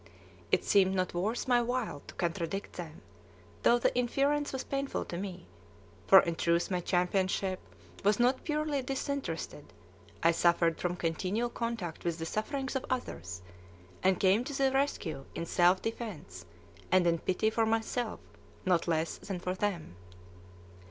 It seemed not worth my while to contradict them, though the inference was painful to me, for in truth my championship was not purely disinterested; I suffered from continual contact with the sufferings of others, and came to the rescue in self defence and in pity for myself not less than for them.